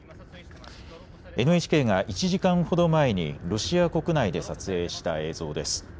ＮＨＫが１時間ほど前にロシア国内で撮影した映像です。